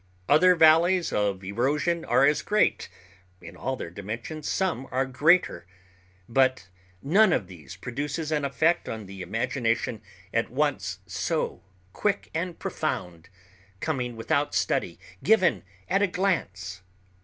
Other valleys of erosion are as great—in all their dimensions some are greater—but none of these produces an effect on the imagination at once so quick and profound, coming without study, given at a glance.